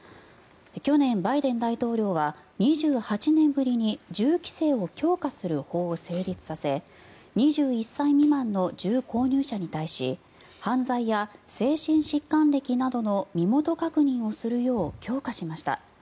去年、バイデン大統領は２８年ぶりに銃規制を強化する法を成立させ２１歳未満の銃購入者に対し犯罪や精神疾患歴などの身元確認をするよう強化しました。